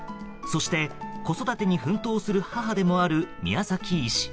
そして、子育てに奮闘する母でもある宮崎医師。